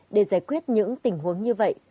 để giải quyết những tình huống như vậy